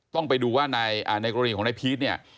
ต้องไปดูว่าในกรณีของนายพีชเนี่ย